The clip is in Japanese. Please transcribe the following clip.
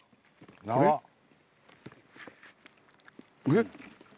えっ？